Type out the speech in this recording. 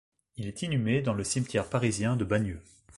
Il est inhumé dans le cimetière parisien de Bagneux.